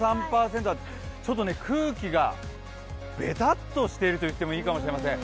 ちょっと空気がべたっとしていると言ってもいいかもしれません。